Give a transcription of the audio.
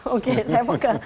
oke saya buka